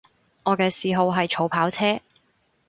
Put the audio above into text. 我嘅嗜好係儲跑車